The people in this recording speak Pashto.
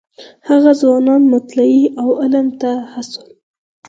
هغه ځوانان مطالعې او علم ته هڅول.